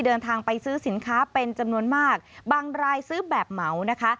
เดินทางไปซื้อสินค้าเป็นจำนวนมากบางรายซื้อแบบเหมานะคะ